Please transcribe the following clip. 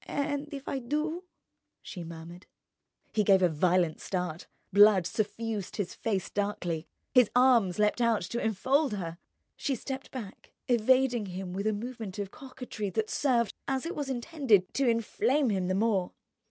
"And if I do—?" she murmured. He gave a violent start, blood suffused his face darkly, his arms leapt out to enfold her. She stepped back, evading him with a movement of coquetry that served, as it was intended, to inflame him the more.